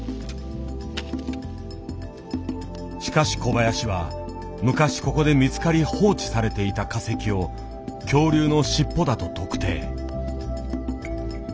しかし小林は昔ここで見つかり放置されていた化石を恐竜の尻尾だと特定。